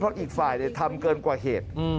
เพราะอีกฝ่ายทำเกินกว่าเหตุ